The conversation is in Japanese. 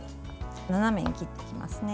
斜めに切っていきますね。